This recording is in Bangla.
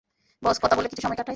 বস, কথা বলে কিছু সময় কাটাই।